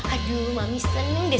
aduh mami seneng deh